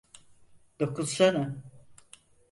Dokunsana.